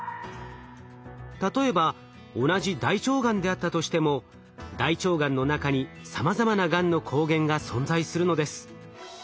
例えば同じ大腸がんであったとしても大腸がんの中にさまざまながんの抗原が存在するのです。